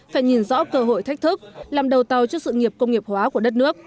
phải nhìn rõ cơ hội thách thức làm đầu tàu cho sự nghiệp công nghiệp hóa của đất nước